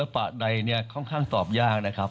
ถามว่าใช้ศิลปะใดเนี่ยค่อนข้างตอบยากนะครับ